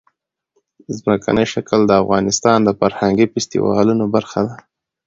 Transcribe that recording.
ځمکنی شکل د افغانستان د فرهنګي فستیوالونو برخه ده.